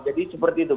jadi seperti itu